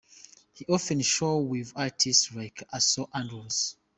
He often shows with artists like Esao Andrews.